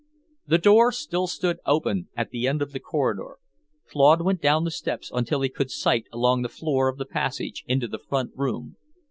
The door still stood open, at the end of the corridor. Claude went down the steps until he could sight along the floor of the passage, into the front room.